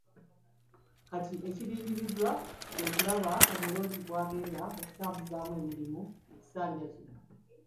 Kati ekirindiriddwa kwe kulaba Omuloodi bw’agenda okutambuzaamu emirimu mu kisanja kino .